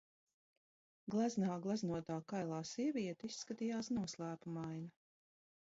Gleznā gleznotā kailā sieviete izskatījās noslēpumaina